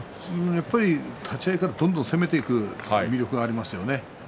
やはり、立ち合いからどんどん攻めていく魅力があります。